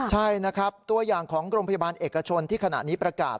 ใช่นะครับตัวอย่างของโรงพยาบาลเอกชนที่ขณะนี้ประกาศ